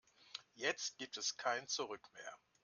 Jetzt gibt es kein Zurück mehr.